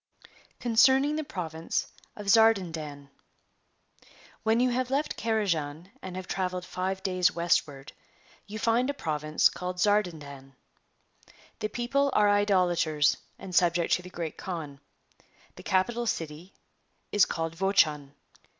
Concerning the Province of Zardandan. Whex you liavc left Carajan and have travelled rive days westward, you rind a province called Zardaxuax. The people are Idolaters and subject to the Great Kaan. The capital city is called Vochax.